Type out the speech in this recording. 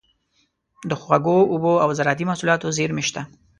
د خوږو اوبو او زارعتي محصولاتو زیرمې شته.